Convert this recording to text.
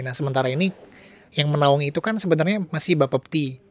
nah sementara ini yang menaungi itu kan sebenarnya masih bappebti